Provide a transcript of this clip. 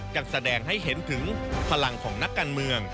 จะแสดงให้เห็นถึงพลังของนักการเมือง